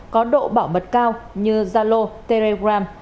có độ bảo mật cao như zalo telegram